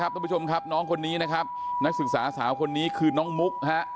ทุกผู้ชมครับน้องคนนี้นะครับนักศึกษาสาวคนนี้คือน้องมุกฮะ